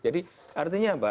jadi artinya apa